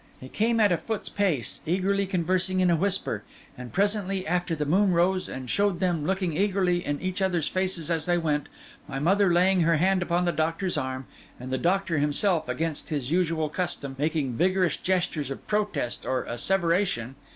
They came at a foot's pace, eagerly conversing in a whisper; and presently after the moon rose and showed them looking eagerly in each other's faces as they went, my mother laying her hand upon the doctor's arm, and the doctor himself, against his usual custom, making vigorous gestures of protest or asseveration.